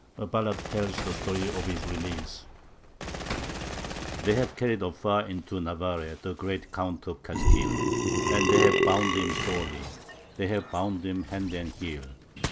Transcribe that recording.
A ballad tells the story of his release: They have carried afar into Navarre the great Count of Castille, And they have bound him sorely, they have bound him hand and heel....